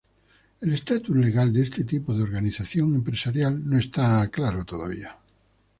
El estatus legal de este tipo de organización empresarial no está claro todavía.